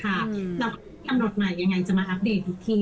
เราก็ไม่มีกำหนดใหม่ยังไงจะมาอัปเดตอีกที